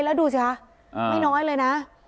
แล้วดูสิคะไม่น้อยเลยนะ